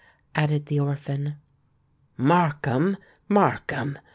added the orphan. "Markham—Markham!"